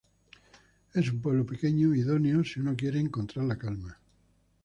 Es un pueblo pequeño, idóneo si uno quiere encontrar la calma.